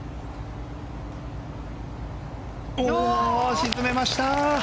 沈めました！